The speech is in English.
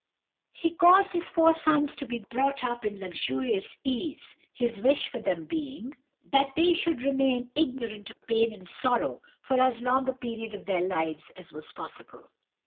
"He caused his four sons to be brought up in luxurious ease, his wish for them being, that they should remain ignorant of pain and sorrow for as long a period of their lives as was possible.